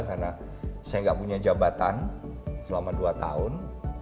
karena saya gak punya jabatan selama dua tahun